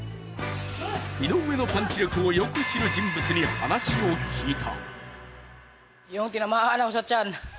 井上のパンチ力をよく知る人物に話を聞いた。